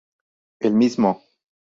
Él Mismo